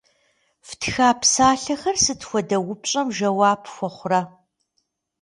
Фтха псалъэхэр сыт хуэдэ упщӏэм жэуап хуэхъурэ?